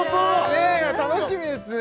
ねえ楽しみですね